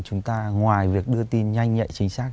chúng ta ngoài việc đưa tin nhanh nhạy chính xác